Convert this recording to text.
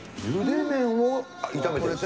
茹で麺を炒めてる。